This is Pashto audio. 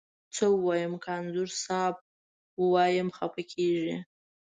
څه ووایم، که انځور صاحب ووایم خپه کږې.